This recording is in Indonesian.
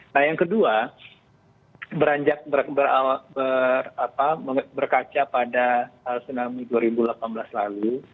nah yang kedua beranjak berkaca pada tsunami dua ribu delapan belas lalu